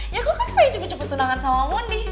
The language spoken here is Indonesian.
ya aku kan pengen cepet cepet tunangan sama mondi